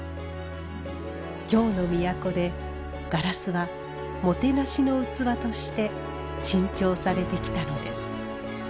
京の都でガラスはもてなしの器として珍重されてきたのです。